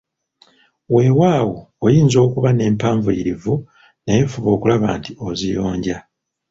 Weewaawo oyinza okuba nempanvuyirivu naye fuba okulaba nti oziyonja.